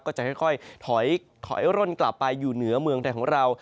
ก็จะค่อยถอยร่นกลับไปอยู่เหนือเมืองไทยของเรา